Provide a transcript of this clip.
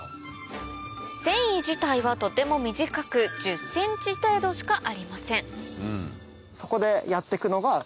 繊維自体はとても短く１０ｃｍ程度しかありません